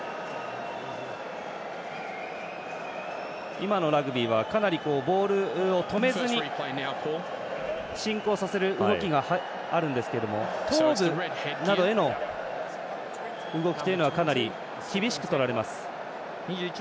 今のラグビーはかなりボールを止めずに進行させる動きがあるんですけれども頭部などへの動きは、かなり厳しくとられます。